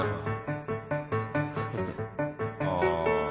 ああ。